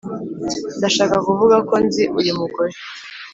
ndashaka kuvuga ko nzi uyu mugore